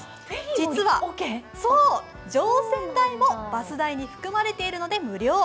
実は乗船代もパス代に含まれているので無料。